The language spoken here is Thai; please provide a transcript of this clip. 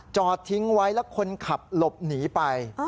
จอดทิ้งไว้แล้วคนขับหลบหนีไป